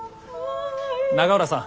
永浦さん。